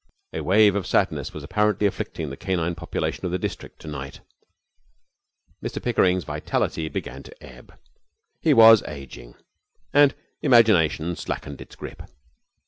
A wave of sadness was apparently afflicting the canine population of the district to night. Mr Pickering's vitality began to ebb. He was ageing, and imagination slackened its grip.